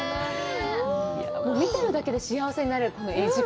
見てるだけで幸せになる、画力。